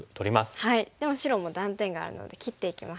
でも白も断点があるので切っていきます。